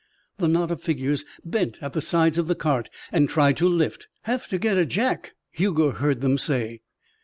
The knot of figures bent at the sides of the cart and tried to lift. "Have to get a jack," Hugo heard them say.